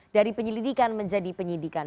dari penyelidikan menjadi penyidikan